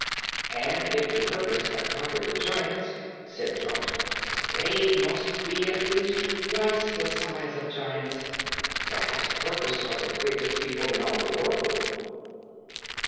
"And if the Herkus have conquered the giants," said Trot, "they must be at least twice the size of giants. P'raps the Herkus are the biggest people in all the world!"